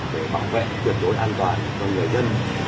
để bảo vệ tuyệt đối an toàn cho người dân